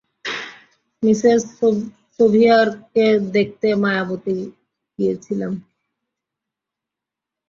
Mrs সেভিয়ারকে দেখতে মায়াবতী গিয়েছিলাম।